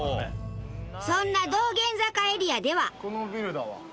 そんな道玄坂エリアでは。